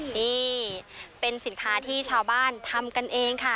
นี่เป็นสินค้าที่ชาวบ้านทำกันเองค่ะ